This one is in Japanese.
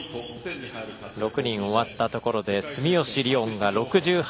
６人終わったところで住吉りをんが６８．０１